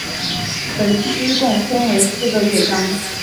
本曲共分为四个乐章。